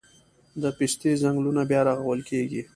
د پستې ځنګلونه بیا رغول کیږي